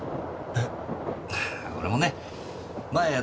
えっ？